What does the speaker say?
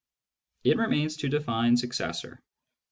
It remains to define " successor."